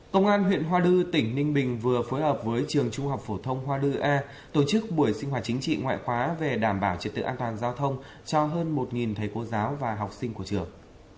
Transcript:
công an huyện hoa lư tỉnh ninh bình vừa phối hợp với trường trung học phổ thông hoa đư a tổ chức buổi sinh hoạt chính trị ngoại khóa về đảm bảo trật tự an toàn giao thông cho hơn một thầy cô giáo và học sinh của trường